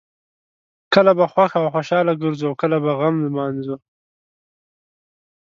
کله به خوښ او خوشحاله ګرځو او کله به غم لمانځو.